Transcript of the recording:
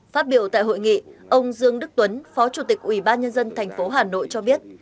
phát biểu tại hội nghị ông dương đức tuấn phó chủ tịch ủy ban nhân dân tp hà nội cho biết